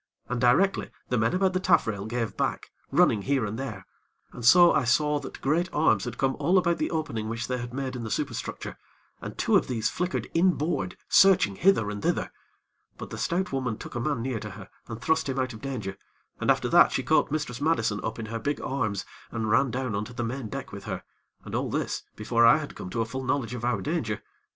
And, directly, the men about the taffrail gave back, running here and there, and so I saw that great arms had come all about the opening which they had made in the superstructure, and two of these flickered in board, searching hither and thither; but the stout woman took a man near to her, and thrust him out of danger, and after that, she caught Mistress Madison up in her big arms, and ran down on to the main deck with her, and all this before I had come to a full knowledge of our danger.